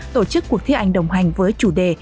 tổ chức cuộc thi ảnh đồng hành với chủ đề